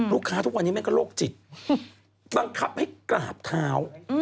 ทุกวันนี้แม่ก็โรคจิตบังคับให้กราบเท้า